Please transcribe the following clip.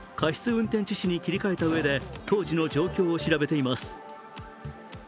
運転致死に切り替えたうえで、当時の状況を調べています